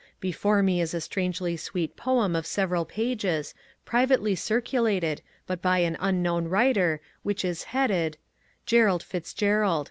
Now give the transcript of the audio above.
Before me is a strangely sweet poem of several pages, pri vately circulated, but by an unknown writer, which is headed :^^ Gerald FitzGerald.